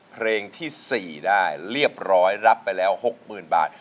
เพลงที่๔ได้เรียบร้อยรับไปแล้ว๖๐๐๐บาท